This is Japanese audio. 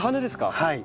はい。